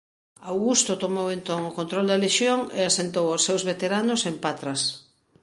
Augusto tomou entón o control da lexión e asentou aos seus veteranos en Patras.